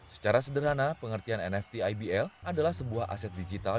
secara sederhana pengertian nft ibl adalah sebuah aset digital